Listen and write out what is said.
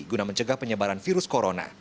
guna mencegah penyebaran virus corona